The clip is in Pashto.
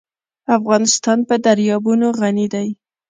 افغانستان په دریابونه غني دی.